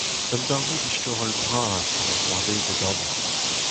Un darvoud istorel bras a oa c'hoarvezet amañ.